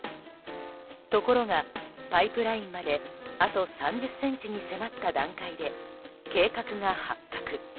ところがパイプラインまであと３０ｃｍに迫った段階で計画が発覚。